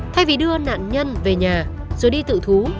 thay vì đưa nạn nhân về nhà rồi đi tự thú